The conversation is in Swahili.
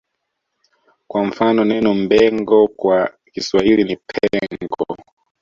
Kwa mfano neno Mbengo kwa Kiswahili ni Pengo